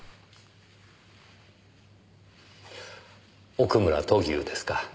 奥村土牛ですか。